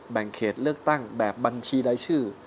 แบ่งเขตเลือกตั้งแบบบัญชีรายชื่อ